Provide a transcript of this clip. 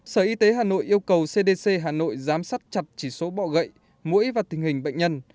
sở y tế hà nội yêu cầu cdc hà nội giám sát chặt chỉ số bọ gậy mũi và tình hình bệnh nhân